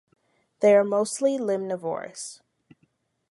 They are mostly limnivorous.